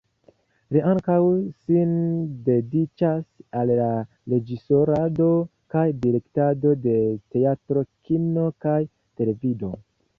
Li ankaŭ sin dediĉas al la reĝisorado kaj direktado de teatro, kino kaj televido.